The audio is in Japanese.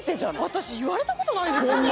私言われた事ないですよ。